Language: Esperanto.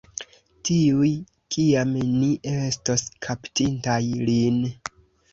Tuj kiam ni estos kaptintaj lin.